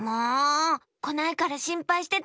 こないからしんぱいしてたのに！